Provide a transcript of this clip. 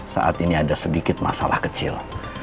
saat ini ada sedikit masalah kecil